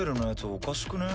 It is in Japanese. おかしくね？